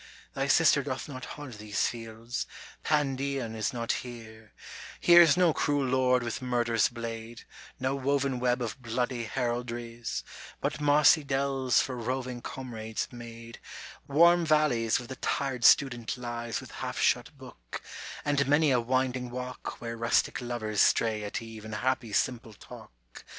Thy sister doth not haunt these fields, Pandion is not here, Here is no cruel Lord with murderous blade, No woven web of bloody heraldries, But mossy dells for roving comrades made, Warm valleys where the tired student lies With half shut book, and many a winding walk Where rustic lovers stray at eve in happy simple talk.